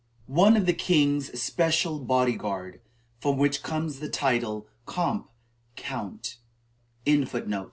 (1) One of the king's special body guard, from which comes the title comp, count.